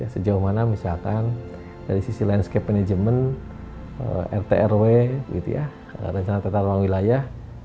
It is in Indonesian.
sejauh mana misalkan dari sisi landscape management rtrw rencana tetangga wilayah